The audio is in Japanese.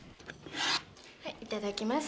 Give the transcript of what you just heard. はいいただきます。